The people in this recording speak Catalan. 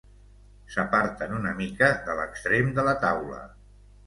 S'aparten una mica de l'extrem de la taula.